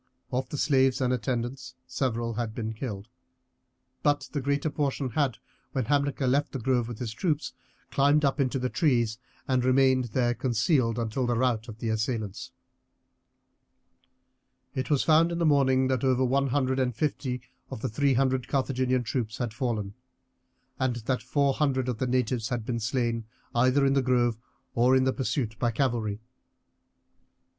Of the slaves and attendants several had been killed, but the greater portion had, when Hamilcar left the grove with the troops, climbed up into trees, and remained there concealed until the rout of the assailants. It was found in the morning that over one hundred and fifty of the three hundred Carthaginian troops had fallen, and that four hundred of the natives had been slain either in the grove or in the pursuit by cavalry.